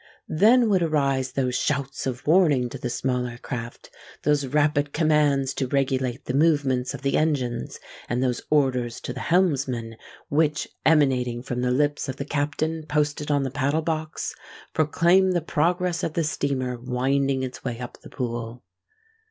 Then would arise those shouts of warning to the smaller craft,—those rapid commands to regulate the movements of the engines,—and those orders to the helmsman, which, emanating from the lips of the captain posted on the paddle box, proclaim the progress of the steamer winding its way up the pool.